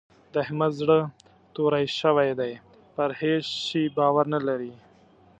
د احمد زړه توری شوی دی؛ پر هيڅ شي باور نه لري.